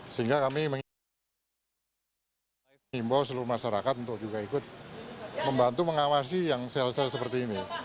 sehingga kami mengimbau seluruh masyarakat untuk juga ikut membantu mengawasi yang sel sel seperti ini